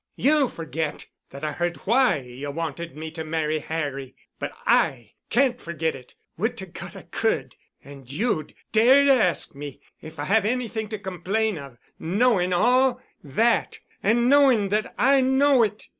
You forget that I heard why you wanted me to marry Harry, but I can't forget it—would to God I could—and you'd dare to ask me if I have anything to complain of, knowing all that and knowing that I know it.